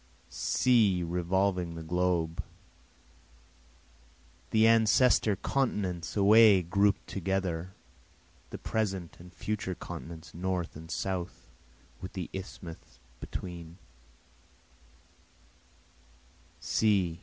See revolving the globe, The ancestor continents away group'd together, The present and future continents north and south, with the isthmus between.